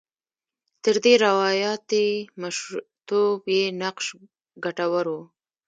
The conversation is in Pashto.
تر دې روایاتي مشرتوب یې نقش ګټور و.